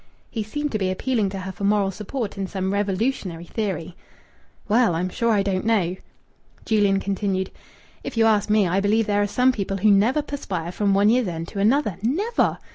He seemed to be appealing to her for moral support in some revolutionary theory. "Well I'm sure I don't know." Julian continued "If you ask me, I believe there are some people who never perspire from one year's end to another. Never!